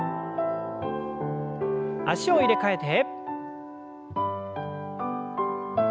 脚を入れ替えて。